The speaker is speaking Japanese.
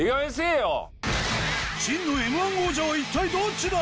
真のＭ−１王者は一体どっちだ？